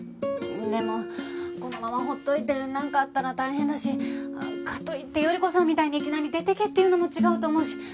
でもこのまま放っておいてなんかあったら大変だしかといって頼子さんみたいにいきなり出ていけっていうのも違うと思うし。